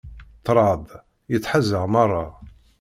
Ṭṭraḍ yettḥaz-aɣ merra.